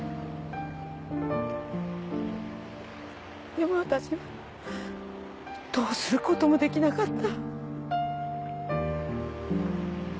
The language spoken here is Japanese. でも私どうすることもできなかった。